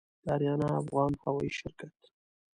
د آریانا افغان هوايي شرکت